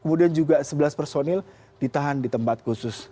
kemudian juga sebelas personil ditahan di tempat khusus